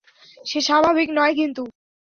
সে স্বাভাবিক নয় কিন্তু।